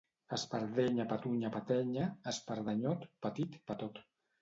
Espardenya, patunya, patenya, espardenyot, petit, petot